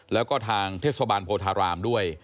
แล้วก็ทางเทศบาลโพธารามด้วย